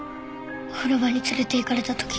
お風呂場に連れていかれたとき。